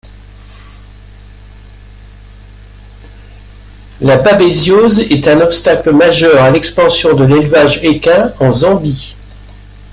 La babésiose est un obstacle majeur à l'expansion de l'élevage équin en Zambie.